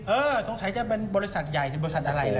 สงสัยจะเป็นบริษัทใหญ่จะบริษัทอะไรล่ะ